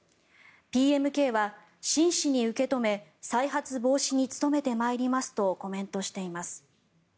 ＰＭＫは真摯に受け止め再発防止に努めてまいりますとコメントしています。